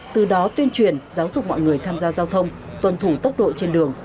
từ đó tuyên truyền giáo dục mọi người tham gia giao thông tuân thủ tốc độ trên đường